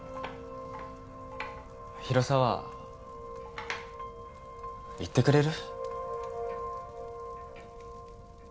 広沢行ってくれる？